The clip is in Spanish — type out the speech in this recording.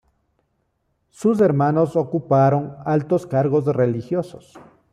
Sus hermanos ocuparon altos cargos religiosos.